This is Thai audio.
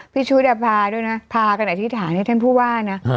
ชุดพาด้วยนะพากันอธิษฐานให้ท่านผู้ว่านะ